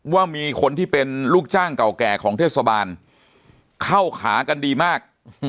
ว่ามีคนที่เป็นลูกจ้างเก่าแก่ของเทศบาลเข้าขากันดีมาก